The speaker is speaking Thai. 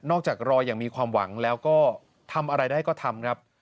จากรออย่างมีความหวังแล้วก็ทำอะไรได้ก็ทำครับ